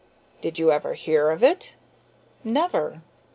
"Did you ever hear of it?" "Never."